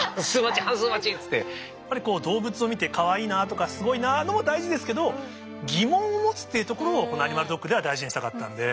動物を見てかわいいなとかすごいなも大事ですけど疑問を持つっていうところをこの「アニマルドック」では大事にしたかったんで。